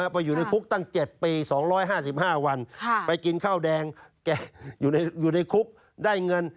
ไปอยู่ในคุกตั้ง๗ปี๒๕๕วันไปกินข้าวแดงแกอยู่ในคุกได้เงิน